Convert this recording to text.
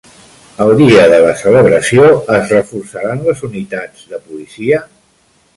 El dia de la celebració, es reforçaran les unitats de policia?